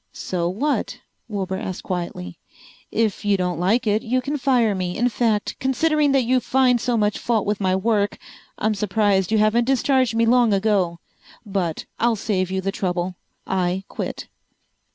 "So what?" Wilbur asked quietly. "If you don't like it you can fire me. In fact, considering that you find so much fault with my work I'm surprised you haven't discharged me long ago. But I'll save you the trouble. I quit."